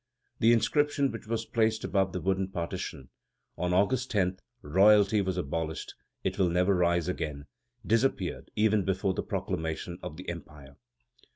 The inscription which was placed above the wooden partition: "On August 10 royalty was abolished; it will never rise again," disappeared even before the proclamation of the Empire.